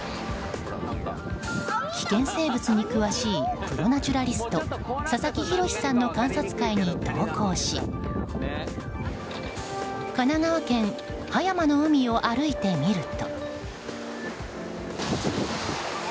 危険生物に詳しいプロナチュラリスト佐々木洋さんの観察会に同行し神奈川県葉山の海を歩いてみると。